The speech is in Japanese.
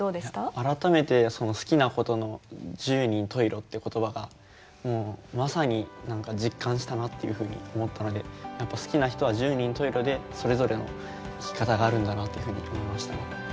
改めてその好きなことの十人十色っていう言葉がもうまさに実感したなっていうふうに思ったのでやっぱ好きな人は十人十色でそれぞれの生き方があるんだなっていうふうに思いました。